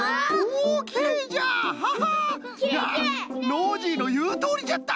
ノージーのいうとおりじゃった。